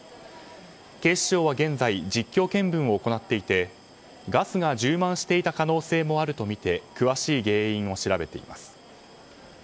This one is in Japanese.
警視庁は現在実況見分を行っていてガスが充満していた可能性もあるとみて詳しい原因を調べています。